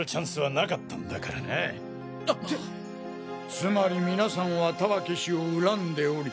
つまり皆さんは田分氏を恨んでおり。